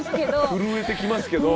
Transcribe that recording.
震えてきますけど。